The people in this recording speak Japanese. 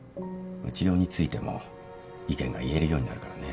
治療についても意見が言えるようになるからね。